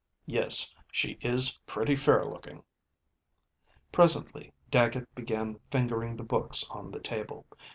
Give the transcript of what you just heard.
"Yes, she is pretty fair looking." Presently Dagget began fingering the books on the table.